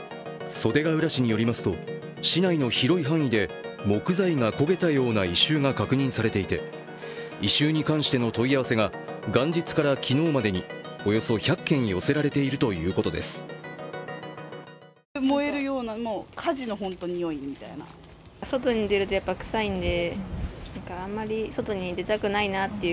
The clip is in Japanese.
袖ケ浦市によりますと市内の広い範囲で木材が焦げたような異臭が確認されていて異臭に関しての問い合わせが元日から昨日までにおよそ１００件寄せられているということです。